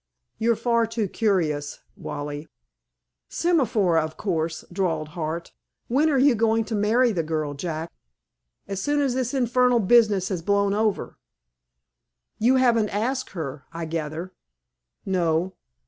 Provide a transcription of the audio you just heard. "You're far too curious, Wally." "Semaphore, of course," drawled Hart. "When are you going to marry the girl, Jack!" "As soon as this infernal business has blown over." "You haven't asked her, I gather?" "No."